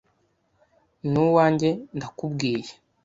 ni uwanjye ndakubwiye